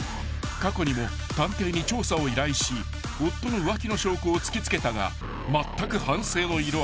過去にも探偵に調査を依頼し夫の浮気の証拠を突き付けたがまったく反省の色はなし］